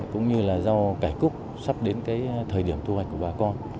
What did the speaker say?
cũng như là rau cải cúc sắp đến cái thời điểm thu hoạch của bà con